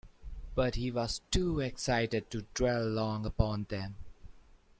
But he was too excited to dwell long upon them.